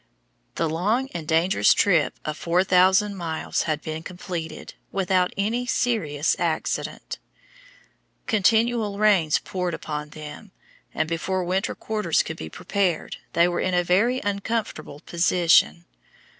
The long and dangerous trip of four thousand miles had been completed without any serious accident. Continual rains poured upon them, and before winter quarters could be prepared they were in a very uncomfortable position.